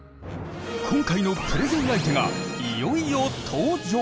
今回のプレゼン相手がいよいよ登場！